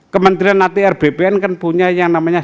kementerian atr bpn kan punya yang namanya